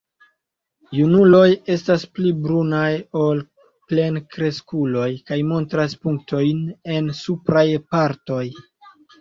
Junuloj estas pli brunaj ol plenkreskuloj kaj montras punktojn en supraj partoj.